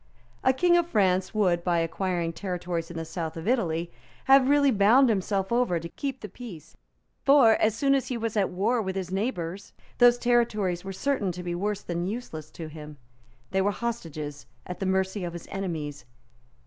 A King of France would, by acquiring territories in the South of Italy, have really bound himself over to keep the peace; for, as soon as he was at war with his neighbours, those territories were certain to be worse than useless to him. They were hostages at the mercy of his enemies.